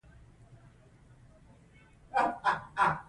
په هنر کې توازن او همغږي د ژوند د نظم ښکارندويي کوي.